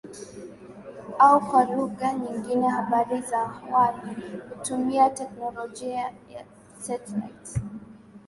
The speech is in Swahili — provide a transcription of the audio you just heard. Au kwa lugha nyingine habari za waya hutumia teknolojia ya satelite